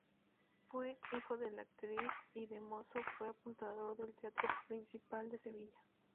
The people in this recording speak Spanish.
Fue hijo de actriz y de mozo fue apuntador del Teatro Principal de Sevilla.